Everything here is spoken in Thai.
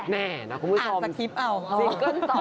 แน่นะคุณผู้ชมอ่านสักคลิปเอา